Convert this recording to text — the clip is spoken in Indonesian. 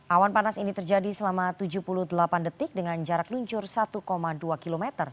awan panas ini terjadi selama tujuh puluh delapan detik dengan jarak luncur satu dua km